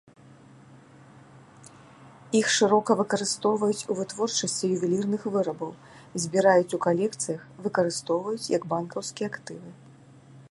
Іх шырока выкарыстоўваюць у вытворчасці ювелірных вырабаў, збіраюць у калекцыях, выкарыстоўваюць як банкаўскія актывы.